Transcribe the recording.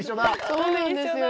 そうなんですよ。